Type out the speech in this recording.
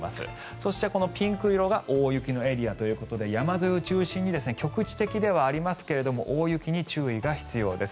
そして、ピンク色が大雪のエリアということで山沿いを中心に局地的ではありますが大雪に注意が必要です。